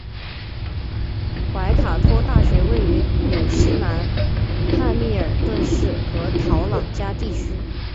怀卡托大学位于纽西兰汉密尔顿市和陶朗加地区。